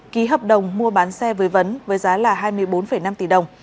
ký hợp đồng mua bán xe với vấn với giá là hai mươi bốn năm tỷ đồng